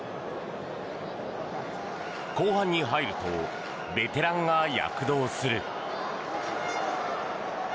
後半に入るとベテランが躍動する。